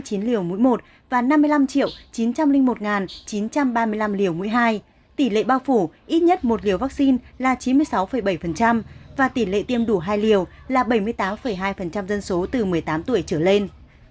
tỷ lệ bao phủ ít nhất một liều vaccine là chín mươi sáu bảy và tỷ lệ tiêm đủ hai liều là bảy mươi tám hai dân số từ một mươi tám tuổi trở lên